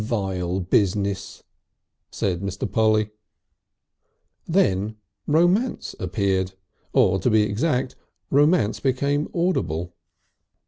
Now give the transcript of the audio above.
"Vile Business," said Mr. Polly. Then Romance appeared. Or to be exact, Romance became audible.